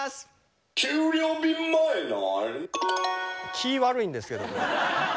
気悪いんですけど。